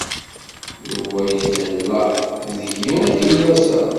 Yuba yethella deg-i akken iwata.